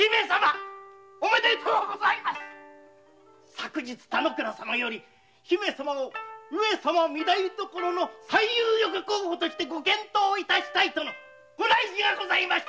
昨日田之倉様より姫様を上様の御台所最有力候補として検討致したいとのご内示がございましたぞ。